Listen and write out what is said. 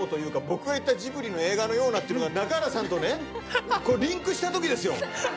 僕が言った「ジブリの映画のような」が中原さんとリンクしたときですよ。